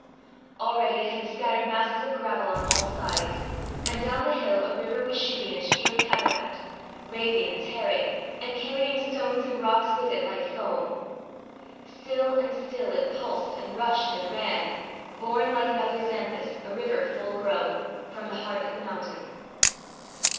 Already it had scattered masses of gravel on all sides, and down the hill a river was shooting in sheer cataract, raving and tearing, and carrying stones and rocks with it like foam. Still and still it pulsed and rushed and ran, born, like another Xanthus, a river full grown, from the heart of the mountain.